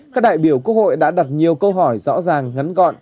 các đại biểu quốc hội đã đặt nhiều câu hỏi rõ ràng ngắn gọn